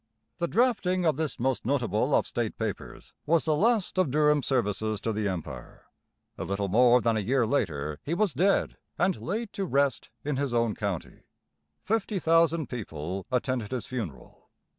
The drafting of this most notable of state papers was the last of Durham's services to the Empire. A little more than a year later he was dead and laid to rest in his own county. Fifty thousand people attended his funeral.